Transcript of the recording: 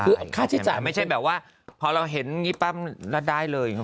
คือค่าใช้จ่ายด้วยไหมไม่ได้ใช่แบบว่าพอเห็นแบบนี้ปั๊บแล้วได้เลย